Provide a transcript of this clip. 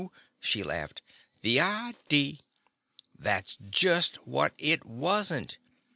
she laughed. "The idee! That 's just what it was n't.